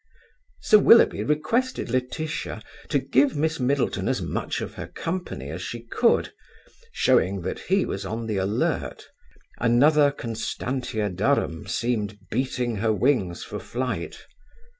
Sir Willoughby requested Laetitia to give Miss Middleton as much of her company as she could; showing that he was on the alert. Another Constantia Durham seemed beating her wings for flight.